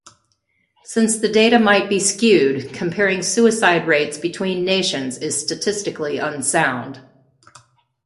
Since the data might be skewed, comparing suicide rates between nations is statistically unsound.